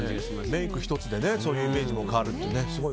メイク１つでそういうイメージも変わると。